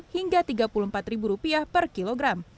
hingga rp tiga puluh empat per kilogram